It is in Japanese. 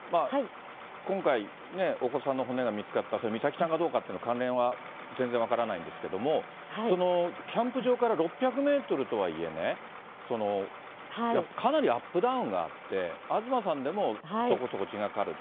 今回お子さんの骨が見つかった、美咲ちゃんかどうかという関連は全然分からないんですけれども、そのキャンプ場から６００メートルとはいえね、かなりアップダウンがあって、東さんでもそこそこ時間がかかる。